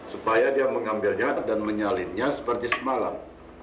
supaya dia mengambilnya dan menyalinnya seperti semalam